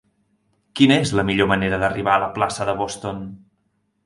Quina és la millor manera d'arribar a la plaça de Boston?